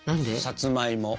さつまいも。